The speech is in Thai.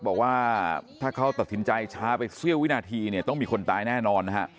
บอกว่าถ้าเขาตัดสินใจช้าไปเสี้ยววินาทีเนี่ยต้องมีคนตายแน่นอนนะฮะ